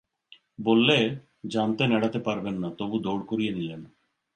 বললে, জানতেন এড়াতে পারবেন না, তবু দৌড় করিয়ে নিলেন।